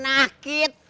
nah gitu atuh